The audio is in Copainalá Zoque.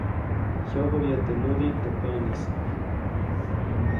Jyojäbya teʼ nudiʼ teʼ päʼnis.